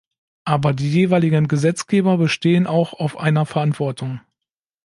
Aber die jeweiligen Gesetzgeber bestehen auch auf einer Verantwortung.